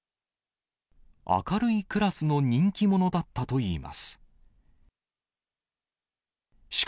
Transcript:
明るいクラスの人気者だったといいます。